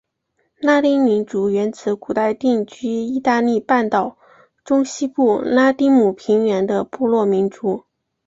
拉丁民族原指古代定居义大利半岛中西部拉丁姆平原的部落民族。